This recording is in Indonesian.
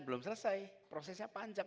belum selesai prosesnya panjang